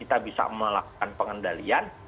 kita bisa melakukan pengendalian